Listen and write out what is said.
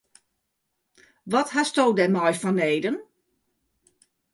Wat hasto dêrmei fanneden?